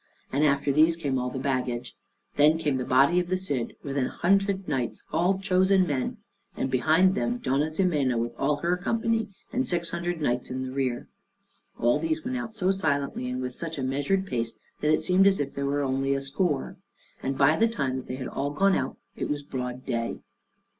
And after these came all the baggage. Then came the body of the Cid, with an hundred knights, all chosen men, and behind them Dona Ximena with all her company, and six hundred knights in the rear. All these went out so silently, and with such a measured pace, that it seemed as if there were only a score. And by the time that they had all gone out it was broad day.